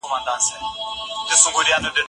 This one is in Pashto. د دوی دواړو مزاج باید سره برابر وي.